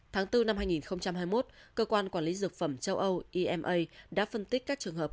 tháng bốn năm hai nghìn hai mươi một cơ quan quản lý dược phẩm châu âu ema đã phân tích các trường hợp